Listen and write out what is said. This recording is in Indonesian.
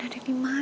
ada dimana ya